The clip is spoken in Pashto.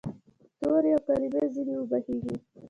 تورې او کلمې ځیني وبهیږې